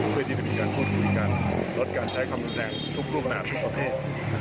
คุยดีกับดีกันพูดคุยกันลดกันใช้ความรู้แรงทุกรูปหน้าทุกประเภท